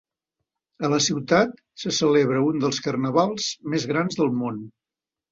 A la ciutat se celebra un dels carnavals més grans del món.